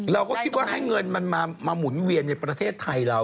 เราก็คิดว่าให้เงินมันมาหมุนเวียนในประเทศไทยเรา